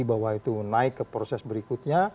bahwa itu naik ke proses berikutnya